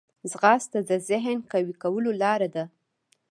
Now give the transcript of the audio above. ځغاسته د ذهن قوي کولو لاره ده